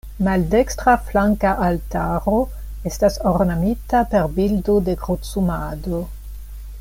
Maldekstra flanka altaro estas ornamita per bildo de Krucumado.